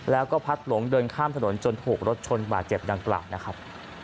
แล้วก็พัดหลงเดินข้ามถนนจนถูกรถชนบาดเจ็บดังกล่าวนะครับ